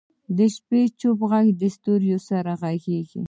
د شپې چوپ ږغ د ستورو سره غږېږي.